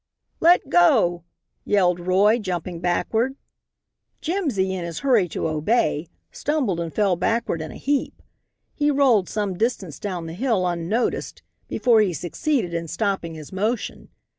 "Let go!" yelled Roy, jumping backward. Jimsy in his hurry to obey stumbled and fell backward in a heap. He rolled some distance down the hill unnoticed, before he succeeded in stopping his motion.